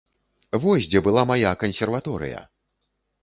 Вось дзе была мая кансерваторыя!